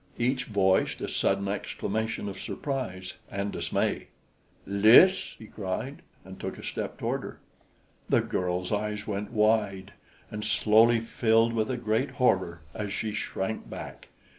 Each voiced a sudden exclamation of surprise and dismay. "Lys!" he cried, and took a step toward her. The girl's eyes went wide, and slowly filled with a great horror, as she shrank back.